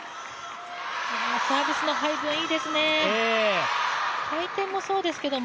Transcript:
サービスの入りもいいですね、回転もそうですけど